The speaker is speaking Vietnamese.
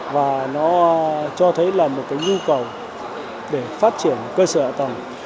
và nó cho thấy là một cái nhu cầu để phát triển cơ sở hạ tầng